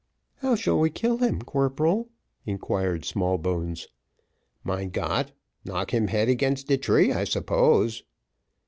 "How shall we kill him, corporal?" inquired Smallbones. "Mein Gott! knock him head against de tree, I suppose."